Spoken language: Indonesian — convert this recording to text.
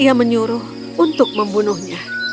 ia menyuruh untuk membunuhnya